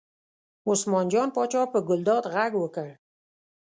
عثمان جان پاچا په ګلداد غږ وکړ.